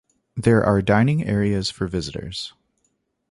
There are dining areas for visitors.